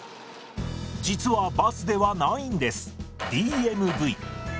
実はバスではないんです。